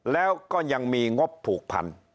แล้วก็ยังมีงบผูกพัน